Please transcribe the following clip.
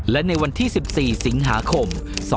และในวันที่๑๔สิงหาคม๒๕๖๒